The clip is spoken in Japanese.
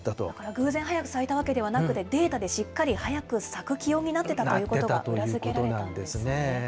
偶然早く咲いたわけではなくて、データでしっかり早く咲く気温になってたということが裏付けられたんですね。